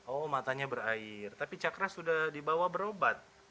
oh matanya berair tapi cakra sudah dibawa berobat